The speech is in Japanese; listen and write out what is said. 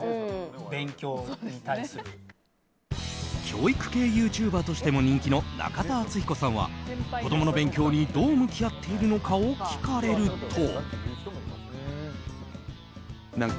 教育系ユーチューバーとしても人気の中田敦彦さんは子供の勉強にどう向き合っているのかを聞かれると。